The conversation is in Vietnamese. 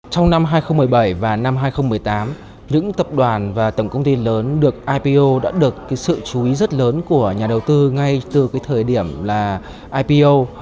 trong năm hai nghìn một mươi bảy và năm hai nghìn một mươi tám những tập đoàn và tổng công ty lớn được ipo đã được sự chú ý rất lớn của nhà đầu tư ngay từ cái thời điểm là ipo